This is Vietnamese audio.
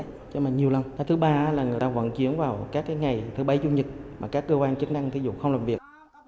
thứ ba người ta vận chuyển vào các ngày thứ bấy chung nhật mà các cơ quan chức năng thí dụng không làm việc